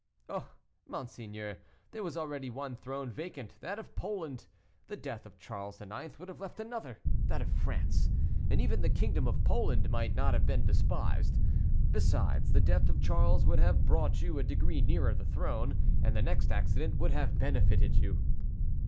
"Oh! monseigneur, there was already one throne vacant, that of Poland. The death of Charles IX. would have left another, that of France; and even the kingdom of Poland might not have been despised. Besides, the death of Charles would have brought you a degree nearer the throne, and the next accident would have benefited you."